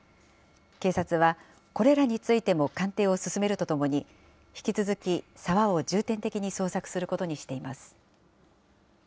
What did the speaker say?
警察はこれらについても鑑定を進めるとともに、引き続き、沢を重点的に捜索することにしています。